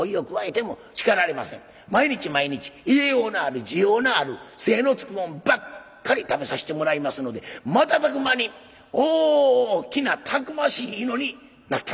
毎日毎日栄養のある滋養のある精のつくもんばっかり食べさしてもらいますので瞬く間に大きなたくましい犬になったんでございますなこのクロが。